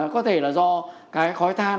có thể là do cái khói than